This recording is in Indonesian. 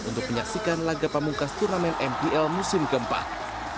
untuk penyaksikan laga pabungkas turnamen mpl musim keempat